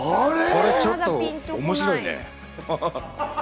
これちょっと面白いね、ハハハ！